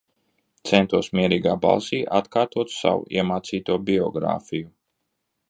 Centos mierīgā balsī atkārtot savu iemācīto biogrāfiju.